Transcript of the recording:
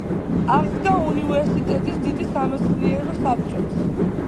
აღდგა უნივერსიტეტის დიდი სამეცნიერო საბჭოც.